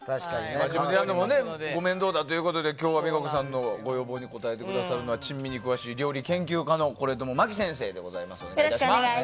準備するのもご面倒だということで今日、実可子さんのご要望に応えてくださるのは珍味に詳しい料理研究家の是友麻希先生でございます。